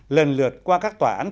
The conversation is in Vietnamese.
lần lượt qua các tòa án